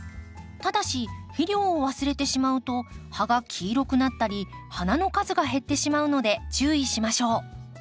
ただし肥料を忘れてしまうと葉が黄色くなったり花の数が減ってしまうので注意しましょう。